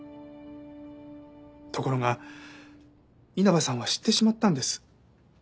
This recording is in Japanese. ところが稲葉さんは知ってしまったんです。